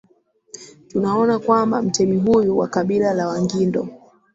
Tunaona kwamba mtemi huyu wa kabila la Wangindo